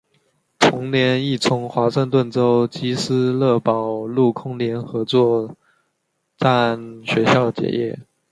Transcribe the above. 同年亦从华盛顿州基斯勒堡陆空联合作战学校结业。